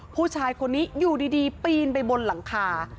ผู้ชายคนนี้อยู่ดีปีนไปบนหลังคา